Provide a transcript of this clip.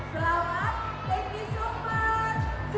แล้วมันมีอีกหนึ่ง